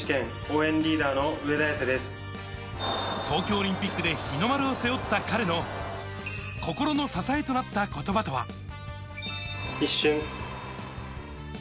東京オリンピックで日の丸を背負った彼の心の支えとなった言葉とは。